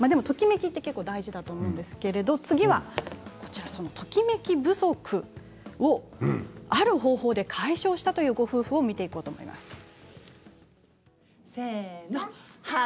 ときめきって大事だと思うんですけど次はときめき不足をある方法で解消したというご夫婦を見ていこうと思います。